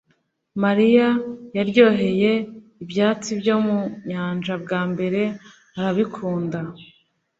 mariya yaryoheye ibyatsi byo mu nyanja bwa mbere arabikunda